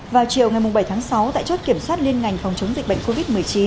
vào chiều ngày bảy tháng sáu tại chốt kiểm soát liên ngành phòng chống dịch bệnh covid một mươi chín